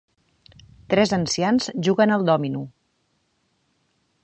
Tres ancians juguen al dòmino.